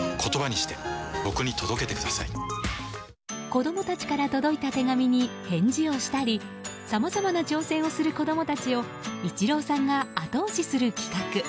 子供たちから届いた手紙に返事をしたりさまざまな挑戦をする子供たちをイチローさんが後押しする企画。